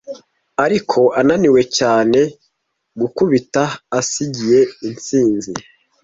ariko ananiwe cyane gukubita asigiye intsinzi